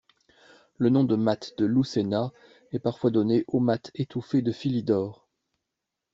Le nom de mat de Lucena est parfois donné au mat étouffé de Philidor.